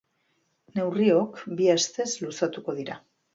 Neurriok bi astez luzatuko dira.